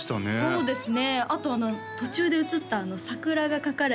そうですね